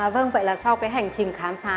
vâng vậy là sau cái hành trình khám phá